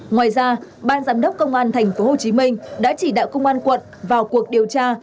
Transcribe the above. ngoài ra ban giám đốc công an thành phố hồ chí minh đã chỉ đạo công an quận vào cuộc điều tra